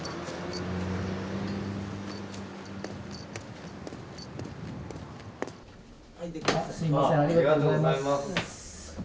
あっすみませんありがとうございます。